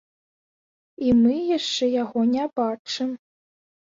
І мы яшчэ яго не бачым.